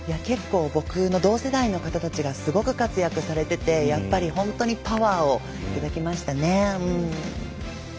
結構僕の同世代の方たちがすごく活躍されてて本当にパワーをいただきましたね。